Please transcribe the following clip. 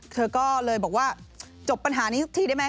เธอก็เลยบอกว่าจบปัญหานี้สักทีได้ไหม